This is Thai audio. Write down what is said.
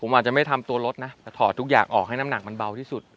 ผมอาจจะไม่ทำตัวรถนะแต่ถอดทุกอย่างออกให้น้ำหนักมันเบาที่สุด